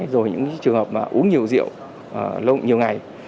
rồi những trường hợp mà uống nhiều rượu lâu nhiều ngày